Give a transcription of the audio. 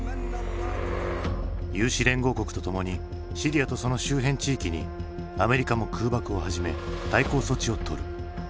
有志連合国とともにシリアとその周辺地域にアメリカも空爆を始め対抗措置をとる。